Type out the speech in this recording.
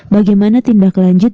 bagaimana tindak lanjut